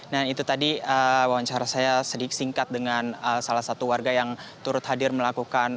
nah itu tadi wawancara saya sedikit singkat dengan salah satu warga yang turut hadir melakukan